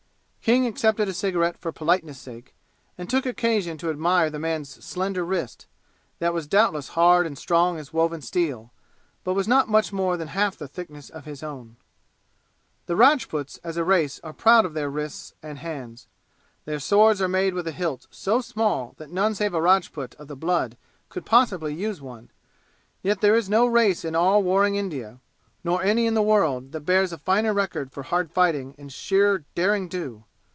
King accepted a cigarette for politeness' sake and took occasion to admire the man's slender wrist, that was doubtless hard and strong as woven steel, but was not much more than half the thickness of his own. The Rajputs as a race are proud of their wrists and hands. Their swords are made with a hilt so small that none save a Rajput of the blood could possibly use one; yet there is no race in all warring India, nor any in the world, that bears a finer record for hard fighting and sheer derring do.